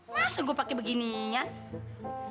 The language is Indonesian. masa gue pakai beginian